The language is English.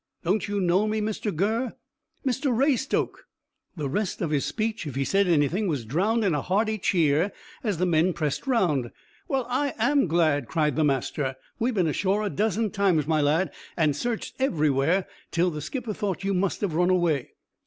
"Don't you know me, Mr Gurr?" "Mr Raystoke!" The rest of his speech, if he said anything, was drowned in a hearty cheer as the men pressed round. "Well, I am glad!" cried the master. "We've been ashore a dozen times, my lad, and searched everywhere, till the skipper thought you must have run away."